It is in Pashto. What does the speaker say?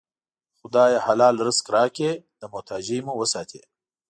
خدایه! حلال رزق راکړې، له محتاجۍ مو وساتې